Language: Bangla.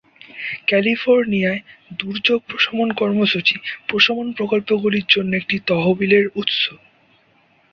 ক্যালিফোর্নিয়ায় দুর্যোগ প্রশমন কর্মসূচি প্রশমন প্রকল্পগুলির জন্য একটি তহবিলের উৎস।